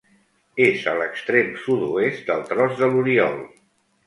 És a l'extrem sud-oest del Tros de l'Oriol.